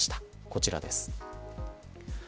こちらです。